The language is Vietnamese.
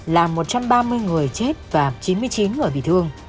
làm một trăm ba mươi người chết và chín mươi chín người bị thương